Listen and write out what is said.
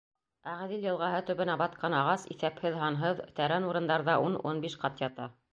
Ағиҙел йылғаһы төбөнә батҡан ағас иҫәпһеҙ-һанһыҙ, тәрән урындарҙа ун-ун биш ҡат ята.